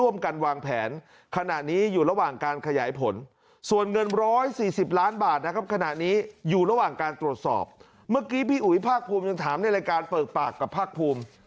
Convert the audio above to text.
เมื่อกี้พี่อุ๋ยภาคภูมิยังถามในรายการเปิดปากกับภาคภูมิ